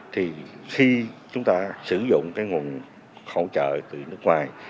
thì khi chúng ta sử dụng cái nguồn khẩu trợ từ nước ngoài